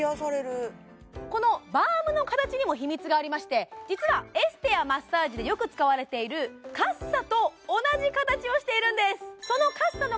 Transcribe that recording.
このバームの形にも秘密がありまして実はエステやマッサージでよく使われているカッサと同じ形をしているんです